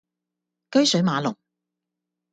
車水馬龍